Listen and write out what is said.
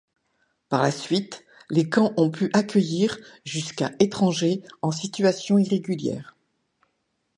Par la suite, les camps ont pu accueillir jusqu'à étrangers en situation irrégulière.